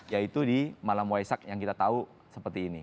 yaitu di malam waisak yang kita tahu seperti ini